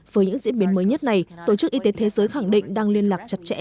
với những diễn biến mới nhất này tổ chức y tế thế giới khẳng định đang liên lạc chặt chẽ